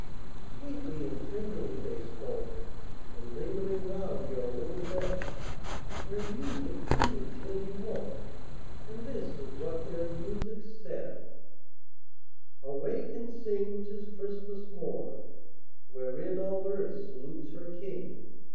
Sweetly and tenderly they spoke, And lingering round your little bed, Their music pleaded till you woke, And this is what their music said: "Awake and sing! 'tis Christmas morn, Whereon all earth salutes her King!